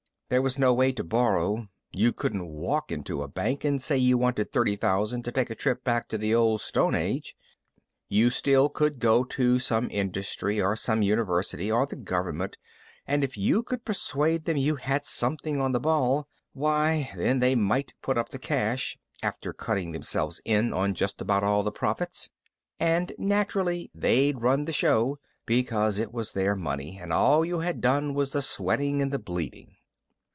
There was no way to borrow. You couldn't walk into a bank and say you wanted thirty thousand to take a trip back to the Old Stone Age. You still could go to some industry or some university or the government and if you could persuade them you had something on the ball why, then, they might put up the cash after cutting themselves in on just about all of the profits. And, naturally, they'd run the show because it was their money and all you had done was the sweating and the bleeding.